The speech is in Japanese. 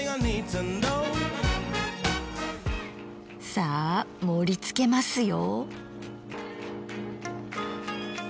さあ盛りつけますよ。